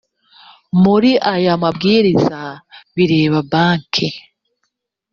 muri aya mabwiriza bireba banki